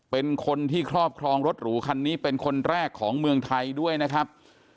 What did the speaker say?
เป็นคนที่ครอบครองรถหรูคันนี้เป็นคนแรกของเมืองไทยด้วยนะครับ